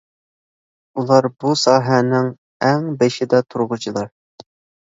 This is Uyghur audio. ئۇلار بۇ ساھەنىڭ ئەڭ بېشىدا تۇرغۇچىلار.